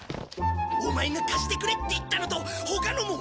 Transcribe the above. オマエが貸してくれって言ったのと他のも持ってきたぞ。